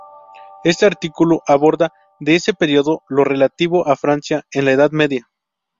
Este artículo aborda, de ese periodo, lo relativo a Francia en la Edad Media.